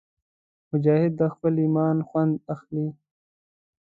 مجاهد د خپل ایمان خوند اخلي.